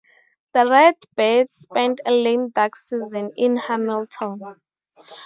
The Redbirds spent a lame duck season in Hamilton.